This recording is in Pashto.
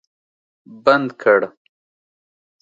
بند کړ